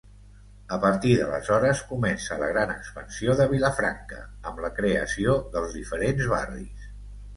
A partir d'aleshores comença la gran expansió de Vilafranca amb la creació dels diferents barris.